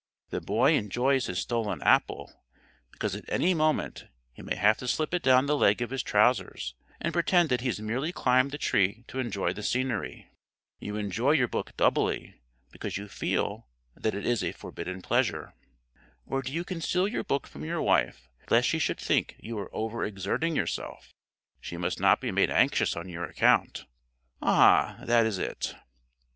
The boy enjoys his stolen apple because at any moment he may have to slip it down the leg of his trousers and pretend that he has merely climbed the tree to enjoy the scenery. You enjoy your book doubly because you feel that it is a forbidden pleasure. Or do you conceal your book from your wife lest she should think you are over exerting yourself? She must not be made anxious on your account? Ah, that is it.